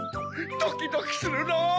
ドキドキするな！